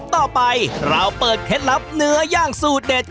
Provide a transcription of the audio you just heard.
ต่อไปเราเปิดเคล็ดลับเนื้อย่างสูตรเด็ด